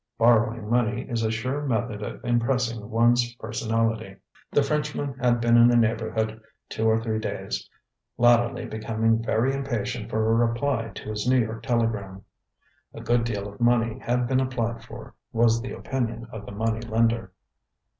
Borrowing money is a sure method of impressing one's personality. The Frenchman had been in the neighborhood two or three days, latterly becoming very impatient for a reply to his New York telegram. A good deal of money had been applied for, was the opinion of the money lender.